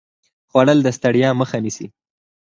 خوړل د ستړیا مخه نیسي